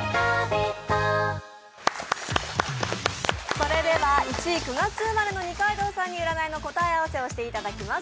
それでは１位、９月生まれの二階堂さんに占いの答え合わせをしていただきます。